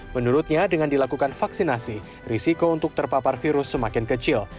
menurutnya dengan dilakukan vaksinasi risiko untuk terpapar virus semakin kecil